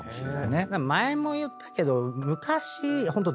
前も言ったけど昔。